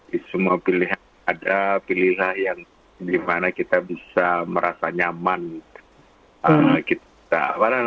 di semua pilihan ada pilihan yang dimana kita bisa merasa nyaman kita